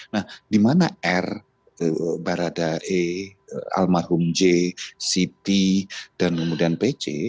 nah dimana r baradae almarhum j siti dan kemudian pc